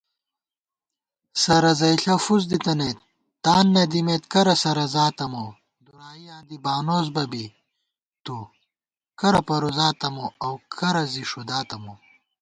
سرَزَئیݪہ فُس دِتَنَئیت تان نہ دِمېت کرہ سرَزاتہ مو * دُرایاں دی بانُوس بہ بی تُوکرہ پروزاتہ مو اؤ کرہ زی ݭُداتہ مو